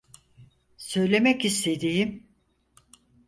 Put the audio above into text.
Söylemek istediğim…